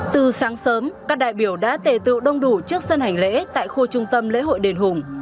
từ sáng sớm các đại biểu đã tề tựu đông đủ trước sân hành lễ tại khu trung tâm lễ hội đền hùng